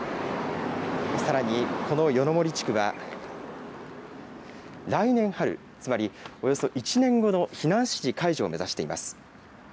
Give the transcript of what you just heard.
さらに、この夜の森地区は、来年春、つまりおよそ１年後の避難指示解除を目指しています。